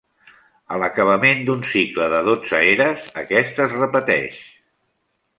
A l'acabament d'un cicle de dotze eres, aquest es repeteix.